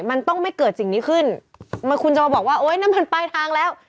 มันต้องไม่เกิดสิ่งนี้ขึ้นมันคุณจะมาบอกว่าโอ๊ยนั่นมันปลายทางแล้ว